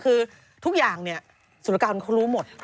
คือสูตรการเขารู้หมด